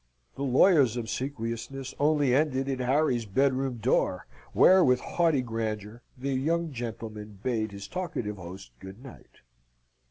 The lawyer's obsequiousness only ended at Harry's bedroom door, where, with haughty grandeur, the young gentleman bade his talkative host good night.